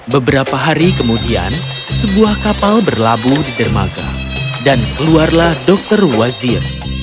beberapa hari kemudian sebuah kapal berlabuh di dermaga dan keluarlah dokter wazir